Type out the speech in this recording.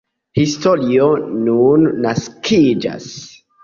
Historio nun naskiĝas.